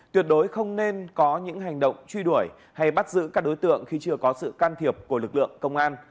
tuyệt đối không nên có những hành động truy đuổi hay bắt giữ các đối tượng khi chưa có sự can thiệp của lực lượng công an